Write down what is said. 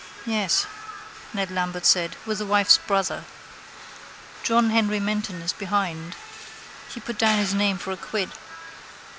—Yes, Ned Lambert said, with the wife's brother. John Henry Menton is behind. He put down his name for a quid.